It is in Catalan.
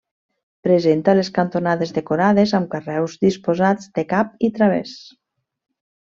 Presenta les cantonades decorades amb carreus disposats de cap i través.